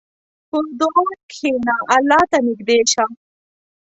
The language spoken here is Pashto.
په دعا کښېنه، الله ته نږدې شه.